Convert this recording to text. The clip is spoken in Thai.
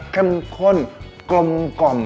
เข้มข้นกลมกล่อม